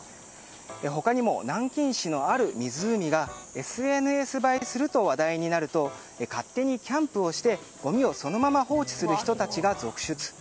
他にも南京市のある湖がＳＮＳ映えすると話題になると勝手にキャンプをしてごみをそのまま放置する人たちが続出。